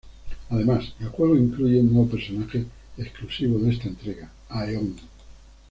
Además, el juego incluye un nuevo personaje exclusivo de esta entrega: Aeon.